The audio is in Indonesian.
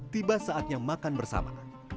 tiba saatnya makan bersama